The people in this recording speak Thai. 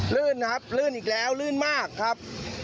ลื่นครับลื่นอีกแล้วลื่นมากครับ